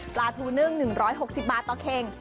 ปลาทูนึ่ง๑๖๐บาทต่อเข่ง